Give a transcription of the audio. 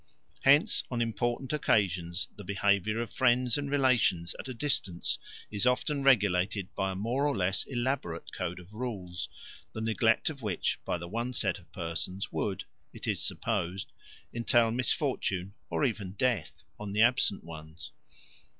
Hence on important occasions the behaviour of friends and relations at a distance is often regulated by a more or less elaborate code of rules, the neglect of which by the one set of persons would, it is supposed, entail misfortune or even death on the absent ones.